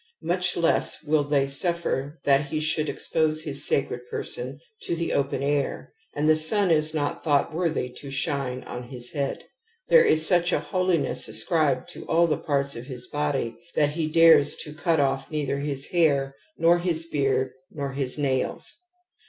Much less will they suffer that he should expose his sacred person to the open air, and the sun is not thought worthy to shine on his head. There is such a holiness ascribed to all the parts of his body that he dares to cut off neither his hair, nor his beard, nor his nails.